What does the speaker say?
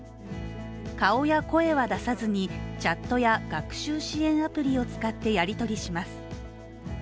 顔や声や出さずに、チャットや学習支援アプリを使ってやり取りします。